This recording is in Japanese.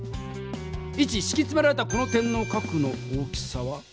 イチしきつめられたこの点の角の大きさは？